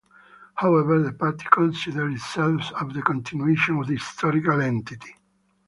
However the party considers itself as the continuation of the historical entity.